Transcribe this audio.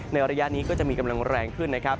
ระยะนี้ก็จะมีกำลังแรงขึ้นนะครับ